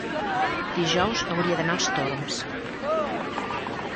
dijous hauria d'anar als Torms.